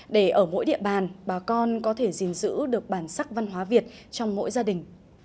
để ở mỗi địa bàn bà con có thể gìn giữ được bản sắc văn hóa việt trong mỗi gia đình